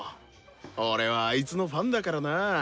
俺はあいつのファンだからな。